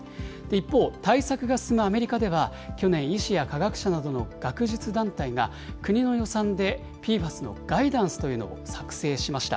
一方、対策が進むアメリカでは、去年、医師や科学者などの学術団体が国の予算でＰＦＡＳのガイダンスというのを作成しました。